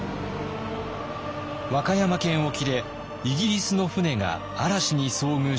和歌山県沖でイギリスの船が嵐に遭遇し沈没。